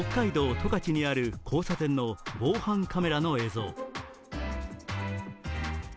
十勝にある交差点の防犯カメラの映像。